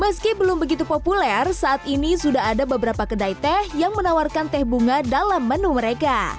meski belum begitu populer saat ini sudah ada beberapa kedai teh yang menawarkan teh bunga dalam menu mereka